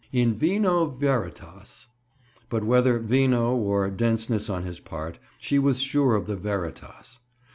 In "vino veritas"! But whether "vino," or denseness on his part, she was sure of the "veritas."